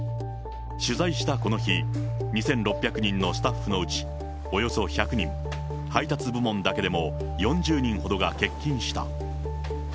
取材したこの日、２６００人のスタッフのうちおよそ１００人、配達部門だけでも４０人ほどが欠勤した。